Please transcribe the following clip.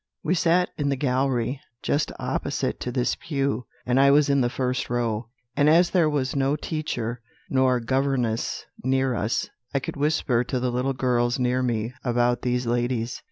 "We sat in the gallery just opposite to this pew, and I was in the first row; and as there was no teacher nor governess near us, I could whisper to the little girls near me about these ladies.